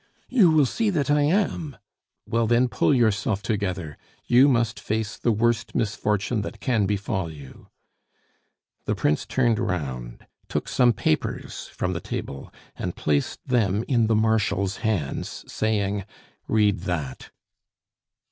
"You will see that I am." "Well, then, pull yourself together! You must face the worst misfortune that can befall you." The Prince turned round, took some papers from the table, and placed them in the Marshal's hands, saying, "Read that."